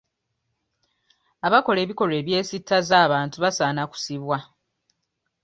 Abakola ebikolwa ebyesittaza abantu basaana kusibwa.